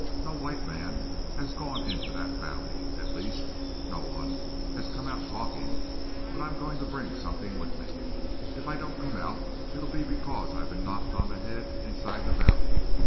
No white man has gone into that valley; at least, no one has come out talking. But I'm going to bring something with me. If I don't come out it'll be because I've been knocked on the head inside the valley.